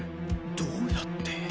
どうやって？